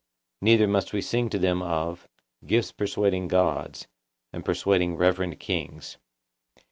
Neither must we sing to them of 'Gifts persuading gods, and persuading reverend kings.